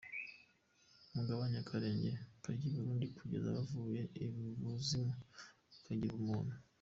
“Mugabanye akarenge kajya i Burundi kugeza bavuye ibuzimu bakajya i buntu” .